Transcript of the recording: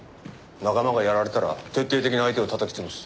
仲間がやられたら徹底的に相手をたたき潰す。